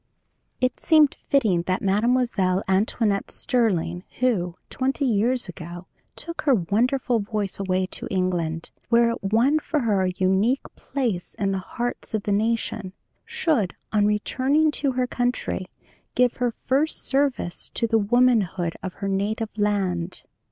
"It seemed fitting that Mme. Antoinette Sterling, who, twenty years ago, took her wonderful voice away to England, where it won for her a unique place in the hearts of the nation, should, on returning to her country, give her first service to the womanhood of her native land.